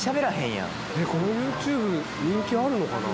このＹｏｕＴｕｂｅ人気あるのかな？